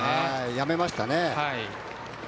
やめましたね。